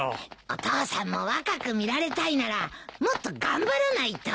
お父さんも若く見られたいならもっと頑張らないと。